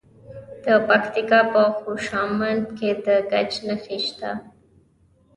د پکتیکا په خوشامند کې د ګچ نښې شته.